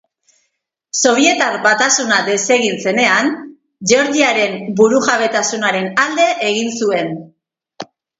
Sobietar Batasuna desegin zenean, Georgiaren burujabetasunaren alde egin zuen.